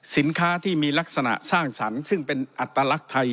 สินค้าที่มีลักษณะสร้างสรรค์ซึ่งเป็นอัตลักษณ์ไทย